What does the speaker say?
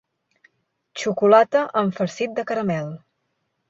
Xocolata amb farcit de caramel.